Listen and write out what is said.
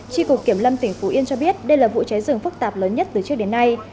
tri cục kiểm lâm tỉnh phú yên cho biết đây là vụ cháy rừng phức tạp lớn nhất từ trước đến nay